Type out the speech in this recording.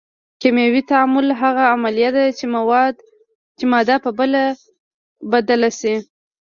کیمیاوي تعامل هغه عملیه ده چې ماده په بله بدله شي.